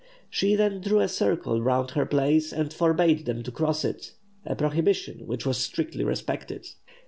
She then drew a circle round her place, and forbade them to cross it; a prohibition which was strictly respected.